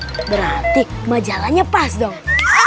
berarti majalahnya pas dong